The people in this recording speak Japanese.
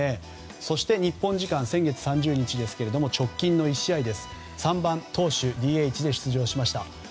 そして、日本時間先月３０日直近の１試合３番投手兼ＤＨで出場しました。